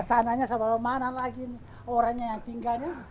sasananya sampai mana lagi nih orangnya yang tinggalnya